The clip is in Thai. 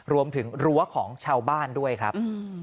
รวมถึงรั้วของชาวบ้านด้วยครับ